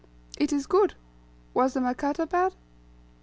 "It is good. Was the Makata bad?"